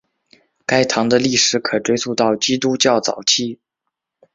该堂的历史可追溯到基督教早期。